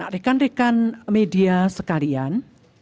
rekan rekan media sekalian